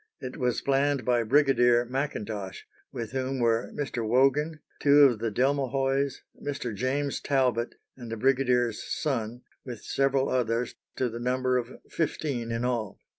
It was planned by Brigadier Macintosh, with whom were Mr. Wogan, two of the Delmehoys, Mr. James Talbot, and the brigadier's son, with several others, to the number of fifteen in all.